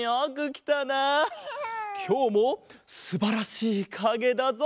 きょうもすばらしいかげだぞ！